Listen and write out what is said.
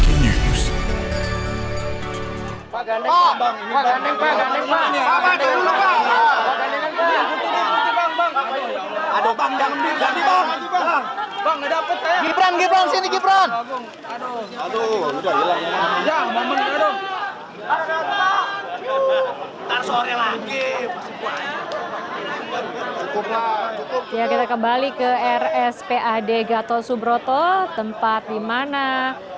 indonesia breaking news